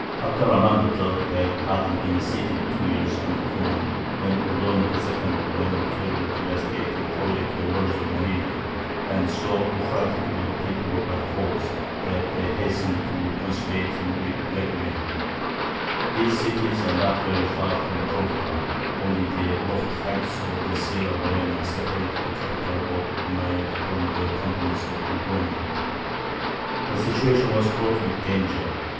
Abd er Rahmān III. had hardly been seated two years on the throne when Ordoño II. of Leon carried a devastating foray to the walls of Merida; and so affrighted were the people of Badajoz that they hastened to conciliate him with blackmail. These cities are not very far from Cordova; only the lofty heights of the Sierra Morena separated the capital of the Omeyyads from the companies of Ordoño. The situation was fraught with danger.